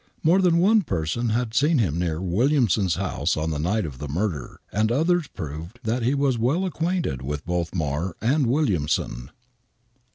More than one person had seen him near "Williamson's house on the night of the murder,, and others proved that he was well acquainted with both Marr and Williamson.